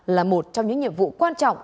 là một trong những nhiệm vụ quan trọng